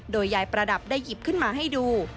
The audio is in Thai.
โดยยายประดับได้หยิบขึ้นมาให้ดู